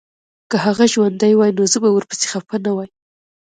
که هغه ژوندی وای نو زه به ورپسي خپه نه وای